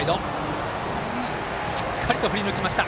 しっかりと振りぬきました。